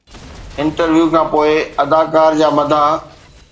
interview کانپوءِ اداڪار جا مداح